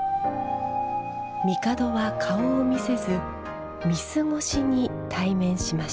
帝は顔を見せず御簾越しに対面しました。